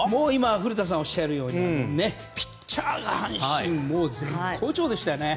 古田さんがおっしゃるとおりピッチャーが阪神は絶好調でしたね。